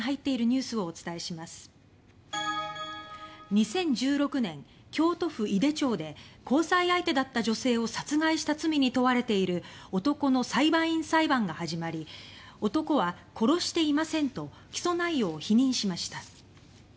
２０１６年、京都府井手町で交際相手だった女性を殺害した罪に問われている男の裁判員裁判が始まり男は起訴内容を否認しました。